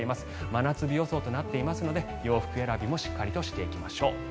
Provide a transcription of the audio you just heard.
真夏日予想となっていますので洋服選びもしっかりしていきましょう。